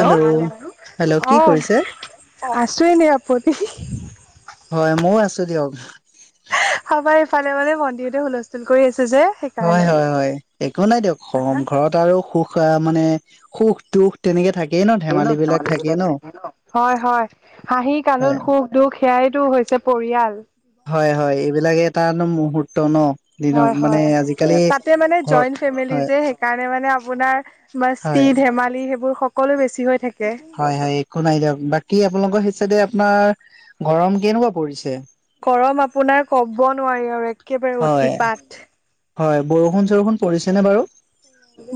Hello hello অ কি অ কৰিছে আছোয়ে ন আপত্তি। হয় ময়ও আছো দিয়ক। আমাৰ ফালে মানে ভন্টিহতে হুলস্থুল কৰি আছে যে সেক। হয়, হয়, হয়, একো নাই দিয়ক কম ঘৰত আৰু সুখ মানে, সুখ-দুখ। তেনেকে থাকেই ন! ন ধেমালি বিলাক থাকেই ধেমালাত থাক ন! হয়, হয়, হাঁহি, হয় কানোন, সুখ। দুখ সেয়াইতো হৈছে পৰিয়াল। হয়, হয়, এইবিলাকে এটা, এটা মুহূৰ্ত ন! দিনক হয়, মানে হয়, আজিকালি তাতে মানে ঘৰত জইন ফেমিলি হয় যে সেই। সেই কাৰণে মানে আপোনাৰ হয় মস্তি, ধেমালি সেইবোৰ সকলো বেছি হৈ থাকে। হয়, হয়, একো নাই দিয়ক। বাকী আপোনালোকৰ সেই সাইডে আপোনাৰ গৰম কেনেকুৱা পৰিছে? গৰম আপোনাৰ ক'ব নোৱাৰি আৰু একেবাৰে হয় অতিপাত। হয়। বৰষুণ - চৰষুণ পৰিছেনে বাৰু।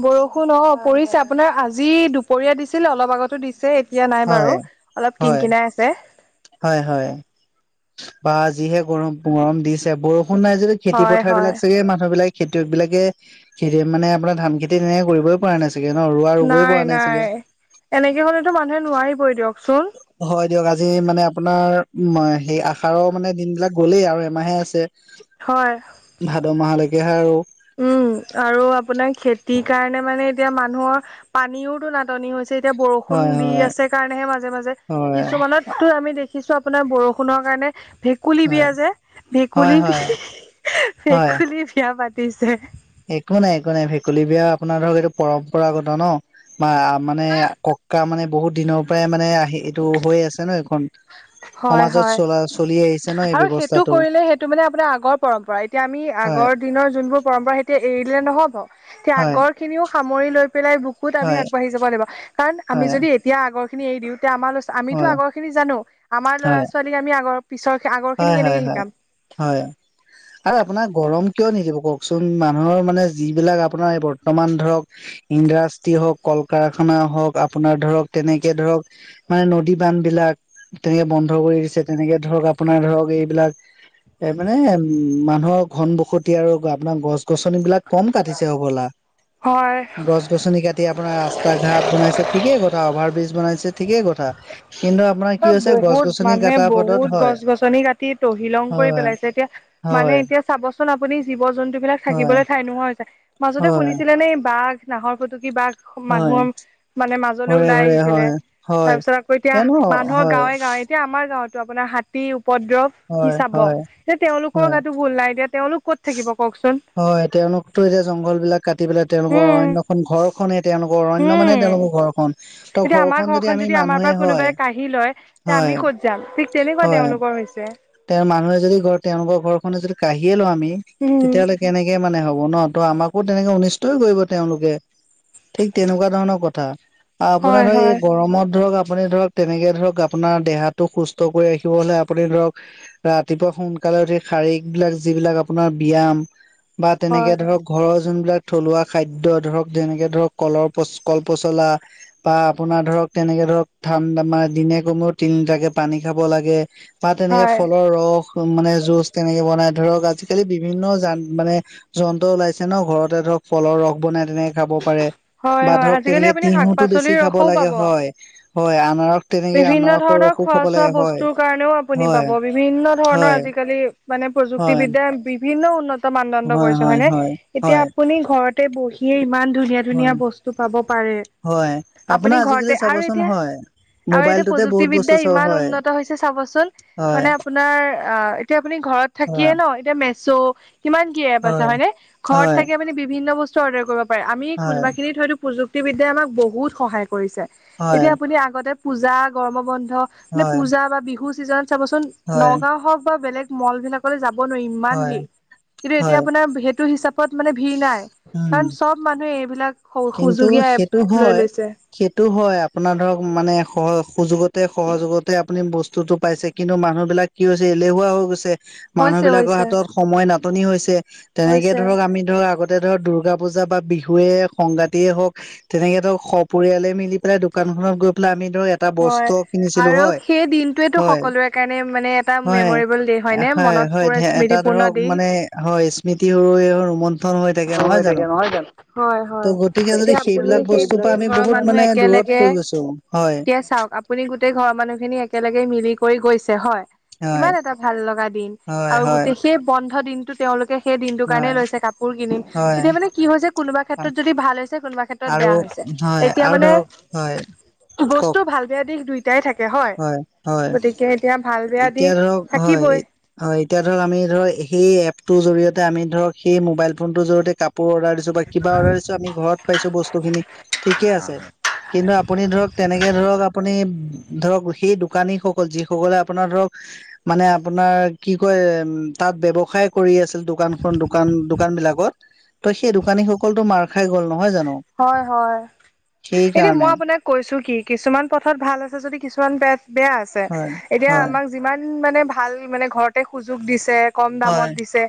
বৰষুণ অঁ পৰিছে, আপোনাৰ আজি দুপৰীয়া দিছিল, অলপ আগতো দিছে। এতিয়া নাই হয় বাৰু, অলপ হয় কিনকিনাই আছে। হয় হয় বা যিহে গৰম গৰম দিছে বৰষুণ নাই যদি খেতি হয় পথাৰ হয় বিলাক চাগে মানুহ বিলাক খেতিয়ক বিলাকে খেতি মানে আপোনাৰ ধান খেতি তেনেকে কৰিবই পৰা না ই চাগে ন ৰোৱা ৰুবই পৰা নাই চাগে। এনেকে হ'লেতো মানুহে নোৱাৰিবই দিয়কচোন। হয় দিয়ক, আজি মানে আপোনাৰ উম সেই আহাৰ মানে দিন বিলাক গ'লেই আৰু এমাহে আছে। [unintelligible] হয়। ভাদ মাহলৈকেহে আৰু। উম, আৰু আপোনাৰ খেতিৰ কাৰণে মানে এতিয়া মানুহৰ পানীওতো নাটনি হৈছে। এতিয়া বৰষুণ হয় দি হয় আছে কাৰণেহে মাজে মাজে, হয় কিছুমানত আৰু আমি দেখিছো আপোনাৰ বৰষুণৰ কাৰণে ভে কুলী হয় বিয়া যে, হয় ভেকুলী বি হয় হয় ভেকুলী বিয়া পাতিছে। একো নাই একো নাই, ভেকুলী বিয়া আপোনাৰ ধৰক এইটো পৰম্পৰাগত ন। বা মানে কক্কা মানে বহুত দিনৰ পৰাই মানে আহি এইটো হৈ আছে ন এইখন। হয় সমাজত হয় চলা চলি আহিছে ন এই আৰু সেইটো ব্যৱস্থাটো কৰিলে সেইটো মানে আপোনাৰ আগৰ পৰম্পৰা। এতিয়া আমি হয় আগৰ দিনৰ যোনবোৰ পৰম্পৰা এতিয়া এৰি দিলে নহব। তেতিয়া হয় আগৰ খিনিও সামৰি লৈ পেলাই বুকুত আমি হয় আগবাঢি যাব লাগিব। কাৰণ আমি হয় যদি এতিয়া আগৰ খিনি এৰি দিওঁ, তেতিয়া আমাৰ লছোৱালী আমিতো হয় আগৰ খিনি জানো। আমাৰ ল'ৰা হয় ছোৱালীক আমি আগৰ পিছৰ আগৰ খিনি হয় কেনেকে হয় হয় শিকাম হয়। আৰু আপোনাক গৰম কিয় নিদিব কওকচোন, মানুহৰ মানে যিবিলাক আপোনাৰ এই বৰ্তমান ধৰক ইণ্ডাষ্ট্ৰি হওক, কল কাৰখানা হওক, আপোনাৰ ধৰক তেনেকে ধৰক মানে নদী বান্ধ বিলাক তেনেকে বন্ধ কৰি দিছে, তেনেকে ধৰক আ পোনাৰ ধৰক এইবিলাক এ মানে মানুহৰ ঘন বসতি আৰু আপোনাৰ গছ গছনিবিলাক কম কাটিছে হ'বলা। হয় গছ গছনি কাটি আপোনাৰ ৰাস্তা ঘাট বনাইছে ঠিকে কথা অভাৰ ব্ৰিজ বনাইছে ঠিকে কথা, কিন্তু আ পোনাৰ কি হৈছে গছ গছনি কাটা পদত হয়। ছনি কাটি টহিলং কৰি হয় পেলাইছে, এতিয়া মানে হয় এতিয়া চাবচোন আপুনি জীৱ জন্তু বিলাক হয় থাকিবলৈ ঠাই নোহোৱা হৈছে। মাজতে হয় শুনিছিলে নে বাঘ নাহৰফুটুকি বাঘ হয় মানুহৰ মানে মাজলৈ ঘৰে ওলাই ঘৰে আহিছিলে। হয় তাৰ হয় পিছত আকৌ এতিয়া জানো মানুহৰ হয় গাঁৱে গাঁৱে এতিয়া আমাৰ গাঁওতো আপোনাৰ হাতী উপদ্ৰৱ কি হয় চাব, হয় এতিয়া তেওঁলোকৰ হয় গাতো ভুল নাই এতিয়া তেওঁলোক ক'ত থাকিব কওকচোন হয়, তেওঁলোকতো এতিয়া জংঘল বিলাক কাটি পেলাই তেওঁলোকৰ উম অৰণ্য ঘৰ খনে তেওঁলোকৰ অৰণ্য মানে উম তেওঁলোকৰ ঘৰখন। ত ঘৰখন যদি আমি মানুহে হয় আহি লয়, তে আমি হয় ক'ত যাম? ঠিক তেনেকুৱা হয় তেওঁলোকৰ হৈছে। তেওঁৰ মানুহে যদি ঘৰ, তেওঁলোকৰ ঘৰখনে যদি কাঢ়িয়ে লওঁ, আমি উম তেতিয়াহ'লে কেনেকে মানে হব ন, ত আমাকো তেনেকে অনিষ্টই কৰিব তেওঁলোকে। ঠিক তেনেকুৱা ধৰণৰ কথা। হয় আপোনাৰ ধৰক, হয় এই গৰমত ধৰক, আপুনি ধৰক তেনেকে ধৰক আপোনাৰ দেহাটো সুস্থ কৰি ৰাখিবলৈ আপুনি ধৰক ৰাতিপুৱা সোনকালে উঠি শাৰীক বিলাক যিবিলাক আপোনাৰ ব্যায়াম বা হয় তেনেকে ধৰক ঘৰৰ যোনবিলাক থলুৱা খাদ্য ধৰক যেনেকে ধৰক কলৰ পচ কল পচলা, বা আপোনাৰ ধৰক তেনেকে ধৰক ঠাণ্ডা মানে দিনে কমেও তিনিলিটাকে পানী খাব লাগে। বা তেনেকে হয় ফলৰ ৰস মানে জুচ তেনেকে বনাই ধৰক আজি আজিকালি বিভিন্ন যান মানে যন্ত্ৰ ওলাইছে ন ঘৰতে ধৰক ফলৰ ৰস বনাই তেনেকে খাব পাৰে হয় বা হয় ধৰক আজিকালি তেনেকে আপুনি শাক তিহুটো বেছি পাচলিৰ খাব ৰসও লাগে পাব হয় হয় আনাৰস তেনেকে বিভিন্ন আনাৰসৰ ধৰণৰ ৰসো খোৱা খাব চোৱা লাগে হয় বস্তুৰ কাৰণেও আপুনি হয় পাব বিভিন্ন ধৰণৰ হয় আজিকালি মানে হয় প্ৰযুক্তিবিদ্যা বিভিন্ন উন্নত মানদণ্ড হয় কৰিছে হয় হয়নে হয় এতিয়া হয় আপুনি ঘৰত। ঘৰতে বহিয়ে ইমান ধুনীয়া হয় ধুনীয়া বস্তু পাব পাৰে হয় আপোনাৰ আপুনি আজিকালি ঘৰতে আৰু চাবচোন এতিয়া হয় আৰু এতিয়া মোবাইলটোতে বহুত বস্তু প্ৰযুক্তিবিদ্যা চোৱা ইমান হয় উন্নত হৈছে চাবচোন। হয় মানে আপোনাৰ অ এতিয়া আপুনি ঘৰত থাকিয়ে হয় ন এই মেশ্বো কিমান কি এপ আছে হয় হয়নে ঘৰত হয় থাকি আপুনি বিভিন্ন বস্তু অডাৰ কৰিব পাৰে। আমি হয় কোনোবা এখিনিত হয়তো প্ৰযুক্তিবিদ্যাই আমাক বহুত সহায় কৰিছে হয় এতিয়া আপুনি আগতে পূজা গৰমৰ বন্ধ মানে হয় পূজা বা বিহু ছিজনত চাবচোন হয় নগাঁও হওক বা বেলেগ মল বিলাকলৈ যাব নোৱাৰি ইমান হয় ভিৰ কিন্তু এতিয়া হয় আপোনাৰ সেইটো হিচাপ ত মানে ভিৰ নাই উম কাৰণ চব মানুহে এইবিলাক সহ কিন্তু সুযোগীয়া সেইটো এপ হয় লৈ লৈছে। সেইটো হয় আপোনাৰ ধৰক মানে সহ সুযোগতে সহযোগতে আপুনি বস্তুতটো পাইছে কিন্তু মানুহ বিলাক কি হৈছে এলেহুৱা হৈ গৈছে। মানুহ হৈছে বিলাকৰ হৈছে হাতত সময় নাটনি হৈছে তেনেকে হৈছে ধৰক আমি ধৰক আগতে এতিয়া ধৰক দুৰ্গা পূজা বা বিহুৱে সংগাতিয়ে হওক তেনেকে ধৰক সপৰিয়ালে মিলি পেলাই দোকানখনত গৈ পেলাই আমি ধৰক এটা হয় বস্ত্ৰ কিনিছিলো আৰু হয় সেই দিনটোৱেটো হয় সকলোৰে কাৰণে মানে এটা হয় মেমৰেবল দে। হয় হয় এটা ধৰক মানে হয় স্মৃতি ৰৈ আৰু ৰুমন্থন হয়। হৈ থাকে নহয় জানো। অ গতিকে যদি এতিয়া আপুনি সেইবিলাক সেই বস্তুৰ পৰা গোটেই আমি ঘৰৰ বহুত মানুহে মানে দূৰত একেলগে হৈ গৈছো হয় এতিয়া চাওক আপুনি গোটেই ঘৰৰ মানুহখিনি একেলগে মিলি কৰি গৈছে হয়। হয় কিমান এটা ভাল লগা দিন হয় আৰু হয় গোটেই সেই বন্ধ দিনটো তেওঁলোকে সেই দিনটো কাৰণেই হয় লৈছে কাপোৰ কিনিম হয় এতিয়া মানে কি হৈছে কোনোবা ক্ষেত্ৰত যদি ভাল হৈছে কোনোবা ক্ষেত্ৰত আৰু বেয়া। হৈছে। হয় এতিয়া মানে আৰু ধৰক হয়। কওক বস্তু ভাল বেয়া দিশ দুই দুইটা থাকে হয় গতিকে এতিয়া ভাল বেয়া এতিয়া দিশ ধৰক হয় থাকিবই। হয় এতিয়া ধৰক আমি ধৰক সেই এপ টোৰ জৰিয়তে আমি ধৰক সেই মোবাইল ফোনটোৰ জৰিয়তে কাপোৰ অৰ্ডাৰ দিছো। বা কিবা অৰ্ডাৰ দিছোঁ আমি ঘৰত পাইছো বস্তু খিনি ঠিকে আছে কিন্তু আপুনি ধৰক তেনেকে ধৰক আপুনি ধৰক সেই দোকানীসকল যিসকলে আপোনাৰ ধৰক। মানে আপোনাৰ কি কয় তাত ব্যৱসায় কৰি আছিল দোকানখন দোকান দোকান বিলাকত। তই সেই দোকানীসকলতো মাৰ খাই গ'ল নহয় জানো হয় হয়। সেই এতিয়া মই কাৰণে। আপোনাক কৈছো কি কিছুমান পথত ভাল আছে যদি কিছুমান ব বেয়া আছে হয় এতিয়া হয় আমাক যিমান মানে ভাল মানে ঘৰতে সুযোগ দিছে কম দামত হয় দিছে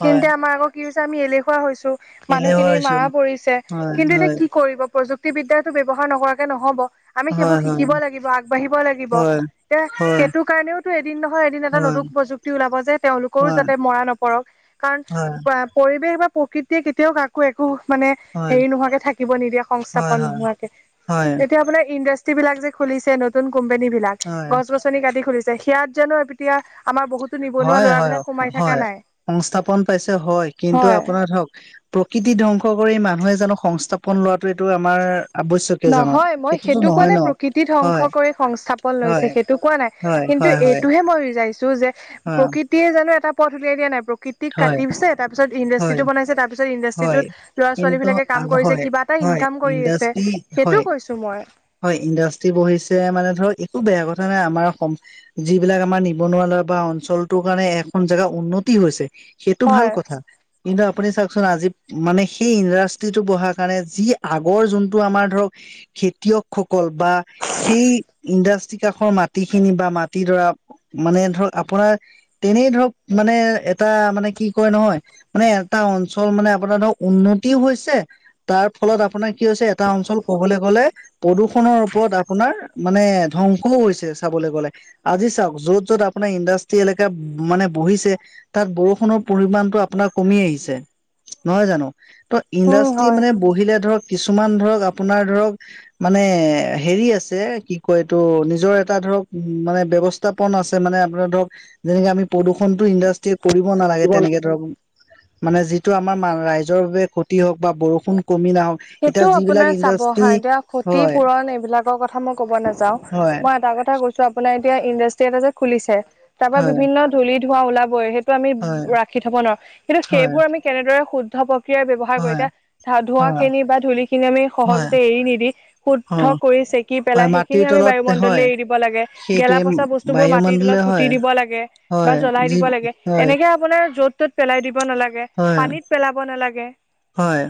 হয় আমাৰ আকৌ কি হৈছে আমি এলেহুৱা হৈছো এলেহুৱা মানুহখিনিৰ হৈছো মৰা পৰিছে। হয় কিন্তু এতিয়া হয় কি কৰিব প্ৰযুক্তিব বিদ্যাটো ব্যৱহাৰ নকৰাকে নহব আমি হয় সেইবোৰ হয় শিকিব লাগিব আগবাঢ়িব লাগিব। হয় এতিয়া হয় সেইটো কাৰণেওতো এদিন নহয় এদিন এটা নতুন প্ৰযুক্তি ওলাব যে তেওঁলোকৰো হয় যাতে মৰা নপৰক। কাৰণ হয় পৰিৱেশ বা প্ৰকৃতিয়ে কেতিয়াও কাকো একো মানে হয় হেৰি নোহোৱাকে থাকিব নিদিয়ে হয় হয় হয় হয় সংস্থাপন নোহোৱাকে এতিয়া আপোনাৰ ইণ্ডাষ্ট্ৰিজ ইণ্ডাষ্ট্ৰিজ বিলাক যে খুলিছে নতুন কোম্পানী বিলাক গছ গছনি কাটি খুলিছে সেয়াত জানো এতিয়া। আমাৰ বহুতো নিবনুৱা হয় হয় ল'ৰাবিলাক হয় সোমাই হয় থাকা নাই। সংস্থাপন পাইছে হয় কিন্তু হয়। আপোনাৰ ধৰক প্ৰকৃতি ধ্বংস কৰি মানুহে জানো সংস্থাপন লোৱাটো এইটো আমাৰ আৱশ্যকীয় জানো নহয় মই সেইটোতো সেইটো কোৱা নহয় নাই ন প্ৰকৃতি হয় ধ্বংস কৰি সংস্থাপন লৈছে হয়, সেইটো কোৱা নাই হয়, কিন্তু হয়, হয়, এইটোহে মই ৰিজাইছো যে, হয়, প্ৰকৃতিয়ে জানো এটা পথ উলিয়াই দিয়া নাই, প্ৰকৃত টি হয়, কাটিছে, তাৰপিছত ইন্দাষ্ট্ৰি হয়, টো বনাইছে তাৰপিছত ইন্দাষ্ট্ৰি হয়। ইন্দাষ্ট্ৰিটোত ল'ৰা ছোৱালী কিন্তু বিলাকে কাম আ- কৰিছে, হয়, কিবা এটা হয় ইনকাম কৰি আছে। ইণ্ডাষ্ট্ৰি হয় সেইটো কৈছো মই হয়, ইণ্ডাষ্ট্ৰি বহিছে মানে ধৰক একো বেয়া কথা নাই, আমাৰ অসম যিবিলাক আমাৰ নিবনুৱা লৰা বা অঞ্চলটো কাৰণে এখন জেগা উন্নতি হৈছে। সেইটো ভাল হয় কথা। কিন্তু আপুনি চাওঁকচোন আজি মানে সেই ইণ্ডাষ্ট্ৰিটো বহা কাৰণে, যি আগৰ যোনটো আমাৰ ধৰক খেতিয়ক সকল বা সেই ইণ্ডাষ্ট্ৰি কাষৰ মাটি খিনি বা মাটিডৰা মানে ধৰক আপোনাৰ তেনেই ধৰক মানে এটা মানে কি কয় নহয়। মানে এটা অঞ্চল মানে আপোনাৰ ধৰক উন্নতিও হৈছে। তাৰ ফলত আপোনাৰ কি হৈছে এটা অঞ্চল ক'বলে গ'লে প্ৰদূষণৰ ওপৰত আপোনাৰ মানে ধ্বংসও হৈছে চাবলে গ'লে। আজি চাওঁক য'ত য'ত আপোনাৰ ইণ্ডাষ্ট্ৰি এলেকা মানে বহিছে, তাত বৰষুণৰ পৰিমানণটো আপোনাৰ কমি আহিছে, নহয় জানো? ত' উম ইণ্ডাষ্ট্ৰি হয় মানে, বহিলে ধৰক, কিছুমান ধৰক আপোনাৰ ধৰক মানে হেৰি আছে, কি কয় এইটো নিজৰ এটা ধৰক উম মানে ব্যৱস্ উত্থাপন আছে মানে আপোনাৰ ধৰক যেনেকে আমি প্ৰদূষণতটো ইণ্ডাষ্ট্ৰীয়ে কৰিব নালাগে, জীৱন তেনেকে ধৰক মানে যিটো আমাৰ মা ৰাইজৰ বাবে ক্ষতি হওঁক বা বৰষুণ কমি নাহক এতিয়া সেইটো যিবিলাক আপোনাৰ চাব হা, ইণ্ডাষ্ট্ৰি এতিয়া ক্ষতি হয় পূৰণ এইবিলাকৰ কথা মই ক'ব নাযাওঁ। হয় মই এটা কথা কৈছো, আপোনাৰ এতিয়া ইণ্ডাষ্ট্ৰি এটা যে খুলিছে, তাৰ পৰা হয়, বিভিন্ন ধূলি ধোৱা ওলাবই সে টো আমি হয়, ৰাখি থব নোৱাও কিন্তু হয়, সেইবোৰ আমি কেনেদৰে শুদ্ধ কিবা ব্যৱহাৰ কৰি হয়, এতিয়া, ধোৱা হয়, খিনি বা ধূলি খিনি আমি হয়, সহজতে এৰি নিদি, শুদ্ধ হয়, কৰি চেকি হয়, পেলাই সেই মাটিৰ সেইখিনি আমি তলত বায়ুমণ্ডল হয়। এৰি দিব লাগে। গেলা, সেইটোৱে পচা বস্তু বোৰ মাটিৰ বায়ুমণ্ডলে তলত পুতি হয়, দিব লাগে। বা হয়, জ্বলাই যি দিব লাগে। হয়, এনেকে আপোনাৰ য'ত ত'ত পেলাই দিব নালাগে, হয়, পানীত পেলাব নালাগে। হয়।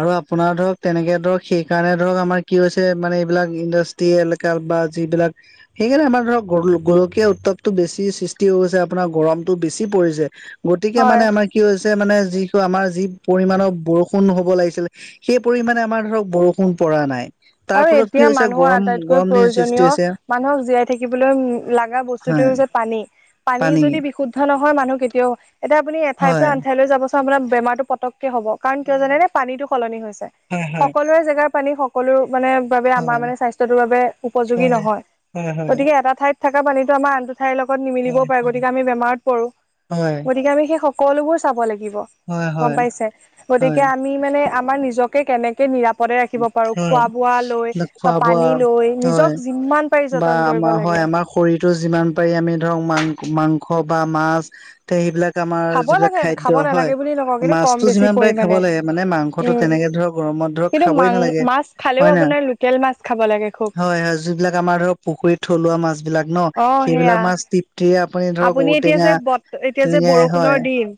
আৰু আপোনাৰ ধৰক তেনেকে ধৰক সেইকাৰণে ধৰক আমাৰ কি হৈছে মানে এইবিলাক ইণ্ডাষ্ টি এলেকা বা যিবিলাক সেইকাৰণে আমাৰ ধৰক গ গোলকীয় উত্তাপটো বেছি সৃষ্টি হৈ গৈছে আপোনাৰ গৰমতটো বেছি পৰিছে গতিকে হয় মানে আমাৰ কি হৈছে মানে যি কো আমাৰ যি পৰিমাণৰ বৰষুণ হ'ব লাগিছিল, সেই পৰিমাণে আমাৰ ধৰক বৰষুণ পৰা নাই। তাৰ আৰু ফলত কি এতিয়া হৈছে মানুহৰ গৰম আটাইতকৈ গৰম দিন সৃষ্টি হৈছে প্ৰয়োজনীয়, মানুহক জীয়াই থাকিবলৈ উম লাগা বস্তুটোৱেই হয় হৈছে পানী। পানী যদি বিশু কথা নহয় মানুহ কেতিয়াও, এতিয়া আপুনি এঠাইৰ হয় পৰা আন ঠাইলৈ যাব চোন আপোনাৰ বেমাৰটো পতককে হ'ব কাৰণ কিয় হয় জানেনে পানীতো সলনি হৈছে, হয় হয় সকলোৰে জেগাৰ পানী সকলোৰ মানে বাবে আমাৰ হয় মানে স্বাস্থ্যটোৰ বাবে উপযোগী হয় নহয়। হয় হয় গতিকে এটা ঠাইত থকা পানীটো আমাৰ আন ঠাইৰ লগত হয় হয় নিমিলিবও পাৰে হয় গতিকে আমি বেমাৰত পৰো। হয় গতিকে আমি সেই সকলোবোৰ চাব লাগিব। গ'ম হয় হয় পাইছে? গতিকে হয় আমি মানে আমাৰ নিজকে কেনেকে নিৰাপদে ৰাখিব পাৰো হয় খোৱা বোৱা লৈ, খোৱা বা বোৱা পানী লৈ, হয় নিজক যিমান পাৰি যতন কৰিব লাগে। শৰীৰটোৰ যিমান পাৰি আমি ধৰক মাং মাংস বা মাছ তে সেইবিলাক আমাৰ খাব যিবিলাক লাগে খাব খাদ্য নালাগে হয় বুলি নকওঁ কিন্তু কম মাছতো বেছি যিমান পাৰে খাব পৰিমাণে লাগে মানে মাংসটো উম তেনেকে ধৰক গৰম ধৰক কিন্তু খাবই মাং নালাগে মাছ হয় খালেও, না আপোনাৰ লোকেল মাছ খাব লাগে খুব। হয় হয় যিবিলাক আমাৰ ধৰক পুখুৰীত থলুৱা মাছ বিলাক ন, অ সেইবিলাক সেয়া মাছ তৃপ্তিৰে আপুনি ধৰক এতিয়া ঔটেঙা, যে বত এতিয়া যে তেনেকে বৰষুণৰ হয়? দিন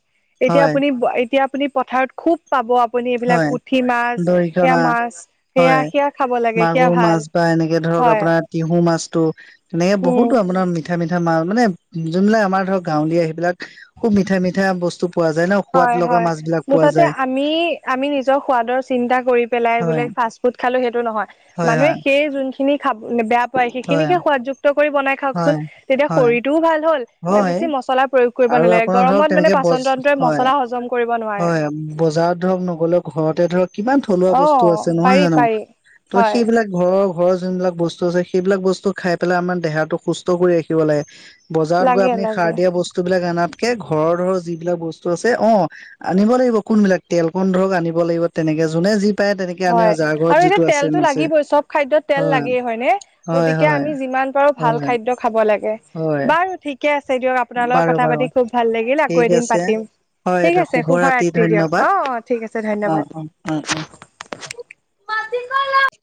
এতিয়া হয় আপুনি, এতিয়া আপুনি পথাৰত খুব পাব আপুনি এইবিলাক হয় পুঠি মাছ, সেয়া দৰিকণা মাছ, সেয়া, হয় সেয়া খাব লাগে, সেয়া মাগুৰ মাছ ভাল বা এনেকে ধৰক হয় আপোনাৰ তিহু মাছটো, তেনেকে উম বহুতো আপোনাৰ মিঠা মিঠ মিঠা মাল মানে জোনবিলাক আমাৰ ধৰক গাঁৱলীয়া, সেইবিলাক খুব মিঠা মিঠা বস্তু পোৱা যায় ন সোৱাদ হয়, লগা হয়। মাছ বিলাক পোৱা মুঠতে যায় আম মি, আমি নিজৰ সোৱাদৰ চিন্তা কৰি পেলাই বোলে হয় ফাষ্ট ফুড খালো সেইটো নহয় হয় মানে হয় সেই জোনখিনি খাব বেয়া পায়, হয় সেইখিনিকে সোৱাদযুক্ত কৰি বনাই খাওকচোন, হয় তেতিয়া হয় শৰীৰটোও ভাল হ'ল, আৰু হয় বেছি মছলা প্ৰয়োগ কৰিব আৰু নালাগে। আপোনাৰ ধৰক গৰমত মানে তেনেকে পাচন তন্ত্ৰই মছলা হজম কৰিব নোৱাৰে এ, বজাৰত ধৰক ন হ'লেও ঘৰতে ধৰক কিমান থলুৱা অ বস্তু আছে নহয় পাৰি জানো? পাৰি ত' হয় সেইবিলাক ঘৰৰ, ঘৰৰ জোনবিলাক বস্তু আছে, সেইবিলাক বস্তু খাই পেলাই আমাৰ দেহাটো সুস্থ কৰি ৰাখিব লাগে বজাৰত গৈ লাগে আপুনি সাৰ লাগে দিয়া বস্তু বিলাক আনাতকে ঘৰৰ ধৰক যিবিলাক বস্তু আছে, অ' আনিব লাগিব কোনবিলাক, তেল কন ধৰক আনিব লাগিব তেনেকে জোনে যি পায় তেনেকে আনে হয়, যাৰ ঘৰত আৰু এতিয়া যিটো আছে তেলটো নাছে লাগিবই, চব খাদ্যত তেল লাগেই হয় নে হয় গতিকে হয় আমি যিমান পাৰো ভাল হয় খাদ্য খাব লাগে, হয় বাৰু ঠিক কে আছে দিয়ক, আপোনাৰ লগত বাৰু কথা বাৰু পাতি খুব ভাল লাগিল, আকৌ ঠিক এদিন আছে পাতিম। হয় ঠিক আছে শুভ শুভৰাতি ৰাত্ৰি দিয়ক। অ', অ, ঠিক আছে ধন্যবাদ। উম, উম মাটি কলহ